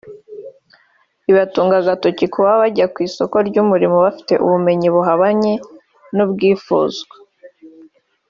ibatunga agatoki kuba bajya ku isoko ry’umurimo bafite ubumenyi buhabanye n’ubwifuzwa